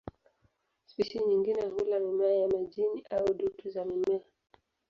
Spishi nyingine hula mimea ya majini au dutu za mimea.